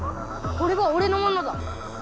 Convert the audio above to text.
これはおれのものだ。